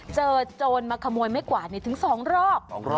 เจอโจรมาขโมยแม่กวาดเนี่ยถึงสองรอบ